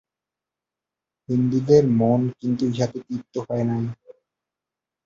হিন্দুদের মন কিন্তু ইহাতে তৃপ্ত হয় নাই।